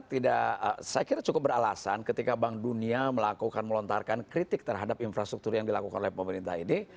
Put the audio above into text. saya kira cukup beralasan ketika bank dunia melakukan melontarkan kritik terhadap infrastruktur yang dilakukan oleh pemerintah ini